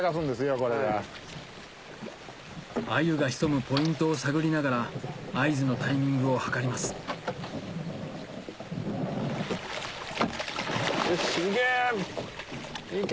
鮎が潜むポイントを探りながら合図のタイミングを計りますよし行け！